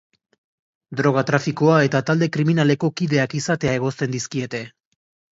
Droga-trafikoa eta talde kriminaleko kideak izatea egozten dizkiete.